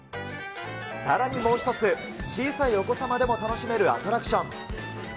さらにもう一つ、小さいお子様でも楽しめるアトラクション。